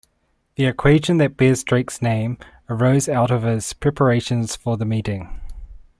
The equation that bears Drake's name arose out of his preparations for the meeting.